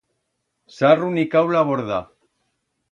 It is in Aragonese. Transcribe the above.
S'ha runicau la borda.